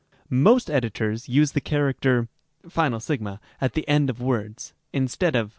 Most editors use the character s at the end of words, in stead of σ.